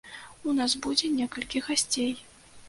У нас будзе некалькі гасцей.